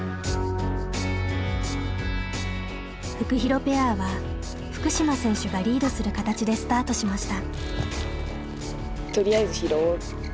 フクヒロペアは福島選手がリードする形でスタートしました。